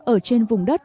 ở trên vùng đất